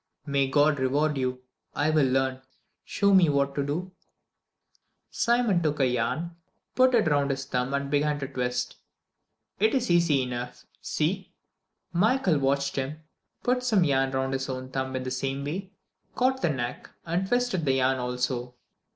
"May God reward you! I will learn. Show me what to do." Simon took yarn, put it round his thumb and began to twist it. "It is easy enough see!" Michael watched him, put some yarn round his own thumb in the same way, caught the knack, and twisted the yarn also.